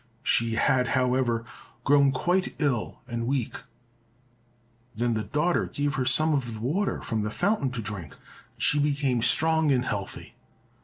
She had, however, grown quite ill and weak. Then the daughter gave her some of the water of the fountain to drink, and she became strong and healthy.